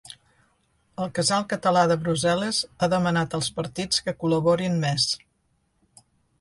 El Casal Català de Brussel·les ha demanat als partits que col·laborin més